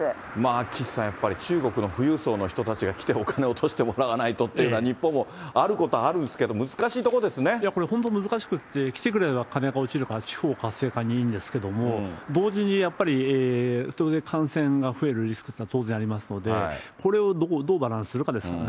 岸さん、やっぱり中国の富裕層の人たちが来て、お金を落としてもらわないというのは、日本もあることはあるんでいや、本当これ難しくって、来てくれれば金が落ちるから地方活性化にいいんですけども、同時にやっぱり、当然感染が増えるリスクというのは当然ありますので、これをどうバランスするかですよね。